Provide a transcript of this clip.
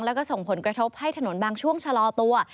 แล้วก็ส่งผลกระทบให้ถนนบางช่วงชะลอตัว